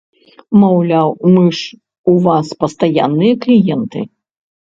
Маўляў, мы ж у вас пастаянныя кліенты!